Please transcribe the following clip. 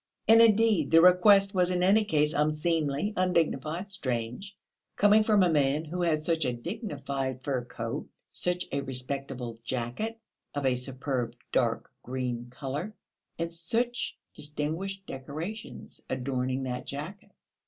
And indeed the request was in any case unseemly, undignified, strange, coming from a man who had such a dignified fur coat, such a respectable jacket of a superb dark green colour, and such distinguished decorations adorning that jacket.